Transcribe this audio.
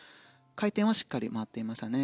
回転はしっかり回っていましたね。